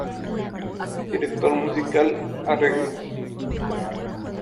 Director Musical, Arreglos.